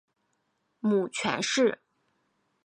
母权氏。